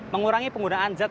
mengurangi penggunaan zat